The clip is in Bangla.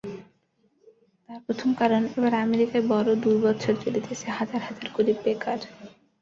তাহার প্রথম কারণ, এবার আমেরিকায় বড় দুর্বৎসর চলিতেছে, হাজার হাজার গরীব বেকার।